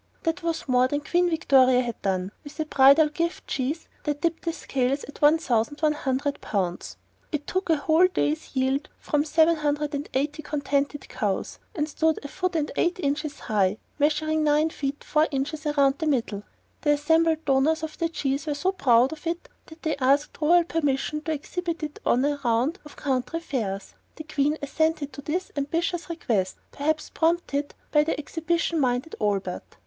This was more than Queen Victoria had done with a bridal gift cheese that tipped the scales at 1,100 pounds. It took a whole day's yield from 780 contented cows, and stood a foot and eight inches high, measuring nine feet, four inches around the middle. The assembled donors of the cheese were so proud of it that they asked royal permission to exhibit it on a round of country fairs. The Queen assented to this ambitious request, perhaps prompted by the exhibition minded Albert.